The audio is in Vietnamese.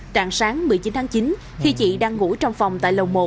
trạng sáng một mươi chín tháng chín khi chị đang ngủ trong phòng tại lầu một